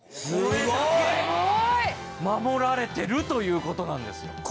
これだけ守られてるということなんですよ。